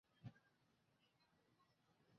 这便是阿拉木图糖果厂的开端。